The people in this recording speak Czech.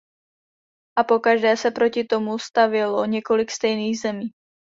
A pokaždé se proti tomu stavělo několik stejných zemí.